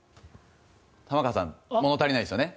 玉川さん、物足りないですよね。